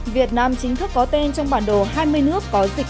việt nam chính thức có tên trong bản đồ hai mươi nước có dịch